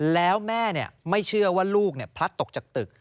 แล้วแม่ไม่เชื่อว่าลูกพลัดตกจากตึก